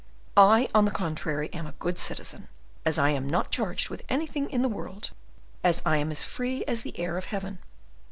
"I, on the contrary, am a good citizen, as I am not charged with anything in the world, as I am as free as the air of heaven.